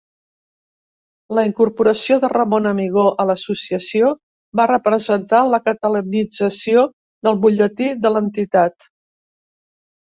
La incorporació de Ramon Amigó a l'Associació va representar la catalanització del butlletí de l'entitat.